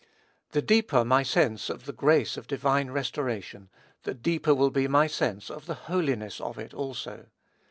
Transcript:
The deeper my sense of the grace of divine restoration, the deeper will be my sense of the holiness of it also.